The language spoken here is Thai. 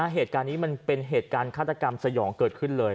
เหตุการณ์นี้มันเป็นเหตุการณ์ฆาตกรรมสยองเกิดขึ้นเลย